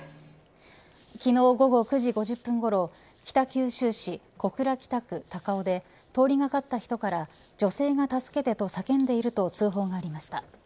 昨日、午後９時５０分ごろ北九州市小倉北区高尾で通り掛かった人から女性が助けてと叫んでいると通報がありました。